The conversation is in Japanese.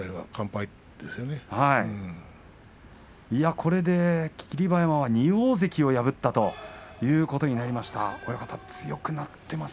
これで霧馬山は２大関を破ったということになりました。